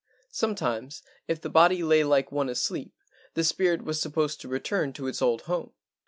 Sometimes if the body lay like one asleep the spirit was supposed to return to its old home.